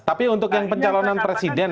tapi untuk yang pencalonan presiden